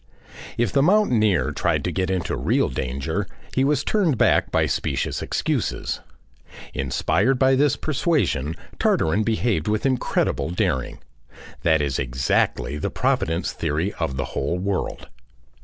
If the mountaineer tried to get into real danger he was turned back by specious excuses. Inspired by this persuasion Tartarin behaved with incredible daring. ... That is exactly the Providence theory of the whole world.